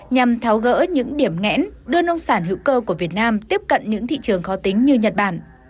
nhằm tháo gỡ những điểm ngẽn đưa nông sản hữu cơ của việt nam tiếp cận những thị trường khó tính như nhật bản